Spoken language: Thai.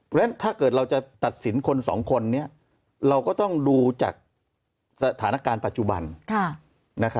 เพราะฉะนั้นถ้าเกิดเราจะตัดสินคนสองคนนี้เราก็ต้องดูจากสถานการณ์ปัจจุบัน